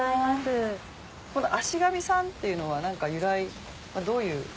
足神さんっていうのは由来どういう。